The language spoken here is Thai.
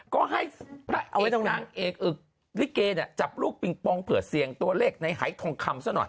ก็ให้พระเอกนางเอกลิเกจับลูกปิงปองเผื่อเสี่ยงตัวเลขในหายทองคำซะหน่อย